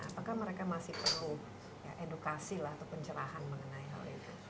apakah mereka masih perlu edukasi lah atau pencerahan mengenai hal ini